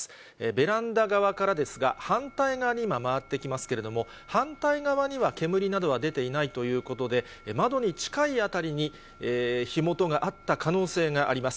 ベランダ側からですが、反対側に今、回ってきますけれども、反対側には煙などは出ていないということで、窓に近い辺りに火元があった可能性があります。